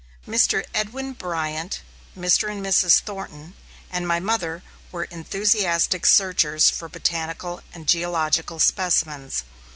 Mr. Edwin Bryant, Mr. and Mrs. Thornton, and my mother were enthusiastic searchers for botanical and geological specimens.